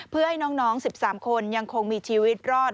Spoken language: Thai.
เพื่อให้น้อง๑๓คนยังคงมีชีวิตรอด